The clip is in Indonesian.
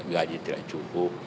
gaji tidak cukup